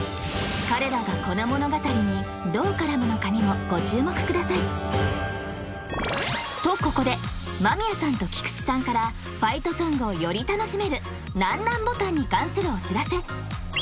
彼らがこの物語にどう絡むのかにもご注目くださいとここで間宮さんと菊池さんから「ファイトソング」をより楽しめるなんなんボタンに関するお知らせ